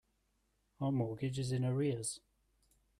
Our mortgage is in arrears.